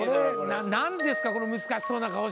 何ですかこの難しそうな顔して。